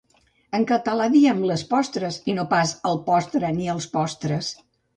En català diem les postres i no pas el postre ni els postres